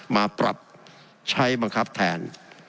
มาปรับใช้บังคับแทน